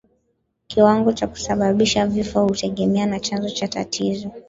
Kiwango cha kusababisha vifo hutegemea na chanzo cha tatizo